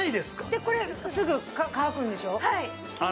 で、これすぐ乾くんでしょ？